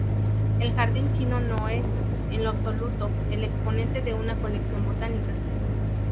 El jardín chino no es, en lo absoluto, el exponente de una colección botánica.